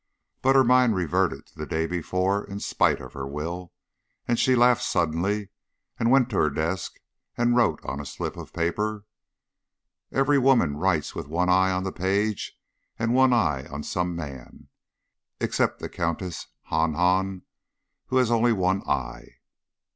But her mind reverted to the day before, in spite of her will, and she laughed suddenly and went to her desk and wrote on a slip of paper, "Every woman writes with one eye on the page and one eye on some man, except the Countess Hahn Hahn, who has only one eye."